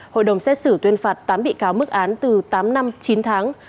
hội đồng xét xử tuyên phạt tám bị cáo mức án từ tám năm chín tháng